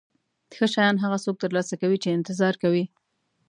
ښه شیان هغه څوک ترلاسه کوي چې انتظار کوي.